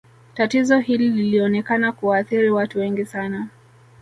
tatizo hili lilionekana kuwaathiri watu wengi sana